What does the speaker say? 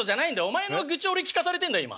お前の愚痴を俺聞かされてんだ今。